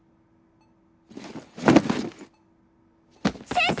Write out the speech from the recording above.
先生！